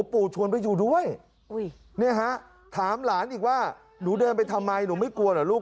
ปู่ชวนไปอยู่ด้วยถามหลานอีกว่าหนูเดินไปทำไมหนูไม่กลัวเหรอลูก